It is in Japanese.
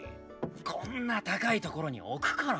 こんな高い所に置くから。